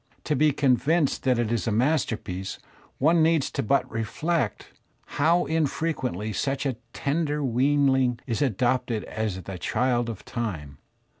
To be convinced that it is a masterpiece one needs but to reflect how infrequently such a tender weanling is adopted as the child of time.